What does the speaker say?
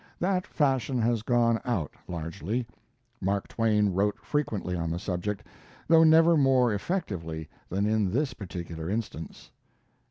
That fashion has gone out, largely. Mark Twain wrote frequently on the subject, though never more effectively than in this particular instance.